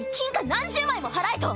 何十枚も払えと！？